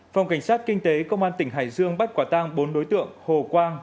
phòng cảnh sát kinh tế công an tỉnh hải dương bắt quả tang bốn đối tượng hồ quang